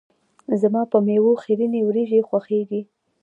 زما په میو خیرنې وريژې خوښیږي.